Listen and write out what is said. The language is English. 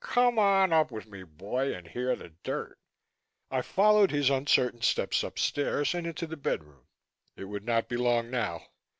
Come on up with me, boy, and hear the dirt." I followed his uncertain steps upstairs and into the bedroom. It would not be long now.